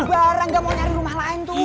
ayo bar gak mau nyari rumah lain tuh